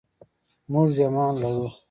موږ ایمان لرو.